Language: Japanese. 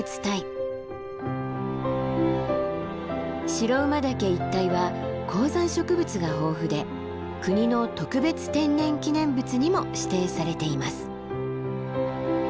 白馬岳一帯は高山植物が豊富で国の特別天然記念物にも指定されています。